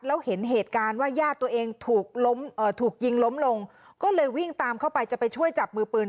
แล้วเห็นเหตุการณ์ว่าญาติตัวเองถูกล้มถูกยิงล้มลงก็เลยวิ่งตามเข้าไปจะไปช่วยจับมือปืน